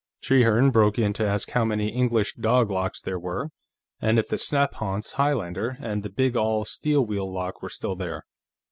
Trehearne broke in to ask how many English dog locks there were, and if the snaphaunce Highlander and the big all steel wheel lock were still there.